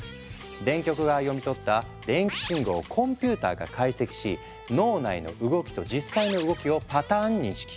電極が読み取った電気信号をコンピューターが解析し脳内の動きと実際の動きをパターン認識。